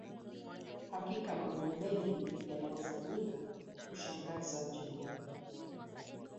Hakika mambo mengi yanayofanyika hushangaza jamii